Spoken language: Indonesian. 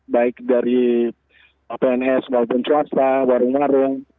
baik dari pns maupun swasta warung warung